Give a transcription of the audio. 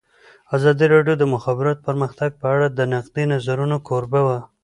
ازادي راډیو د د مخابراتو پرمختګ په اړه د نقدي نظرونو کوربه وه.